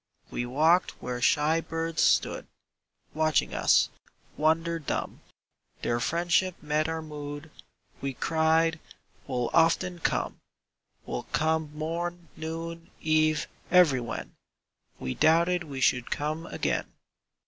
We walked where shy birds stood Watching us, wonder dumb; Their friendship met our mood; We cried: "We'll often come: We'll come morn, noon, eve, everywhen!" —We doubted we should come again.